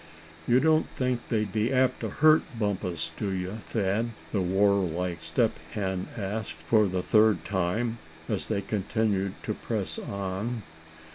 "You don't think they'd be apt to hurt Bumpus, do you, Thad?" the war like Step Hen asked, for the third time, as they continued to press on.